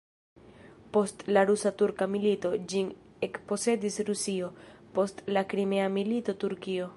Post la rusa-turka milito, ĝin ekposedis Rusio, post la Krimea milito Turkio.